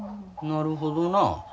なるほどな。